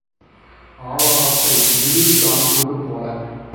ஆலமரத்தை விழுது தாங்குவது போல.